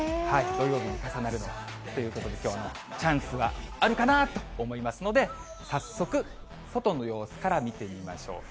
土曜日に重なるのはということで、きょうはチャンスはあるかなと思いますので、早速、外の様子から見てみましょう。